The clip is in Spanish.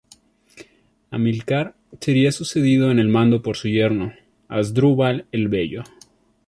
Amilcar sería sucedido en el mando por su yerno, Asdrúbal el Bello.